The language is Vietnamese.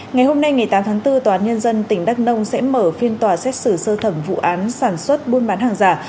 ngày hôm nay ngày tám tháng bốn tòa án nhân dân tỉnh đắk nông sẽ mở phiên tòa xét xử sơ thẩm vụ án sản xuất buôn bán hàng giả